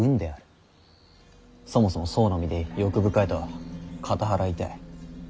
そもそも僧の身で欲深いとは片腹痛い。